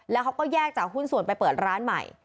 แล้วเขาก็แยกจากหุ้นส่วนไปเปิดร้านใหม่